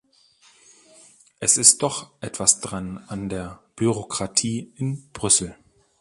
Es ist doch etwas dran an der Bürokratie in Brüssel.